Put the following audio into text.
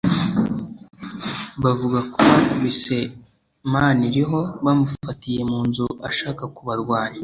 bavuga ko bakubise Maniriho bamufatiye mu nzu ashaka kubarwanya